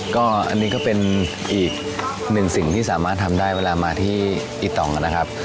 ก็อันนี้ก็เป็นอีกหนึ่งสิ่งที่สามารถทำได้เวลามาที่อีตองนะครับ